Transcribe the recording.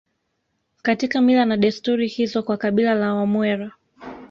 Katika mila na desturi hizo kwa kabila la Wamwera